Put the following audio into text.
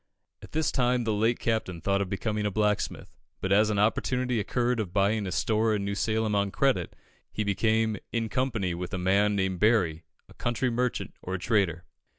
At this time the late Captain thought of becoming a blacksmith, but as an opportunity occurred of buying a store in New Salem on credit, he became, in company with a man named Berry, a country merchant, or trader.